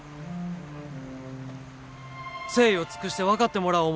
誠意を尽くして分かってもらおう思